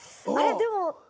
でも。